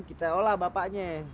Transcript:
kita olah bapaknya